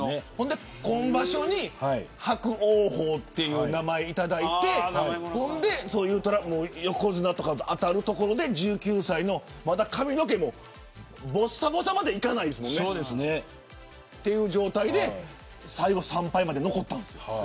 今場所に伯桜鵬という名前を頂いて横綱とか当たるところで１９歳の、まだ髪の毛もぼっさぼさまではいかないけどという状態で最後３敗まで残ったんです。